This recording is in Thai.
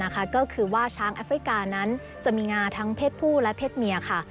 ก็คือว่าช้างแอฟริกานั้นจะมีงาทั้งเพศผู้และเพศเมียค่ะ